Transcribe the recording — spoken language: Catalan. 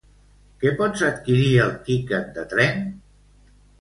Que pots adquirir el tiquet de tren?